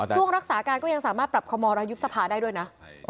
ช่วงรักษาการก็ยังสามารถปรับขมรยุบสภาได้ด้วยนะ